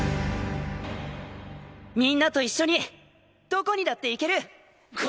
みんなと一緒にどこにだっていける！